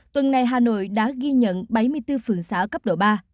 tuần này hà nội đã ghi nhận bảy mươi bốn phường xã cấp độ ba